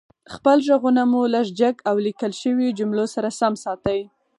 خپل غږونه مو لږ جګ او ليکل شويو جملو سره سم ساتئ